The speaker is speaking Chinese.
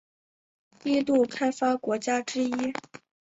低度开发国家之一。